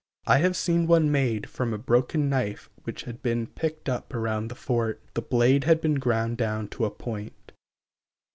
I have seen one made from a broken knife which had been picked up around the fort. The blade had been ground down to a point.